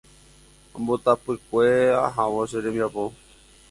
Ambotapykue ahávo che rembiapo.